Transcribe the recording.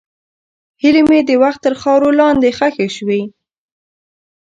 هیلې مې د وخت تر خاورو لاندې ښخې شوې.